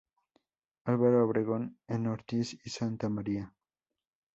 Álvaro Obregón, en Ortiz y Santa María.